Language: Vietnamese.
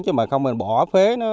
chứ mà không mình bỏ phế nó